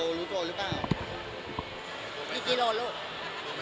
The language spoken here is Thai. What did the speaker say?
พี่ตูนเป็นยังไงบ้างค่ะ